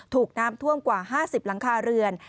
ถูกน้ำท่วมกว่า๕๐หลังคาเรือน